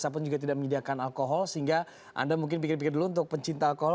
ataupun juga tidak menyediakan alkohol sehingga anda mungkin pikir pikir dulu untuk pencinta alkohol